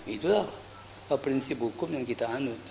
itulah prinsip hukum yang kita anut